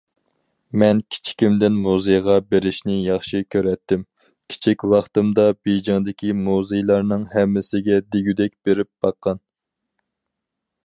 « مەن كىچىكىمدىن مۇزېيغا بېرىشنى ياخشى كۆرەتتىم، كىچىك ۋاقتىمدا بېيجىڭدىكى مۇزېيلارنىڭ ھەممىسىگە دېگۈدەك بېرىپ باققان».